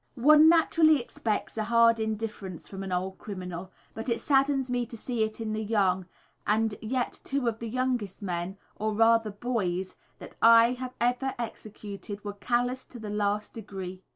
_ One naturally expects a hard indifference from an old criminal, but it saddens me to see it in the young, and yet two of the youngest men or rather, boys that I have executed were callous to the last degree.